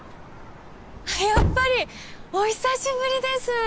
あやっぱり！お久しぶりです。